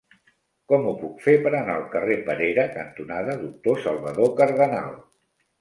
Com ho puc fer per anar al carrer Perera cantonada Doctor Salvador Cardenal?